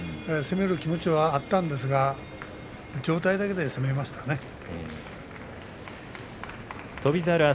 攻める気持ちはあったんですが上体だけで攻めましたかな。